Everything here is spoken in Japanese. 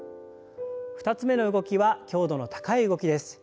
２つ目の動きは強度の高い動きです。